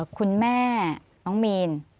คุณแม่น้องมีน